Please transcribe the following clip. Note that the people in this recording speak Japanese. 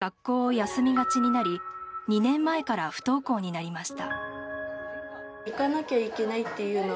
小学校低学年から学校を休みがちになり２年前から不登校になりました。